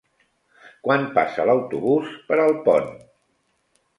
Quan passa l'autobús per Alpont?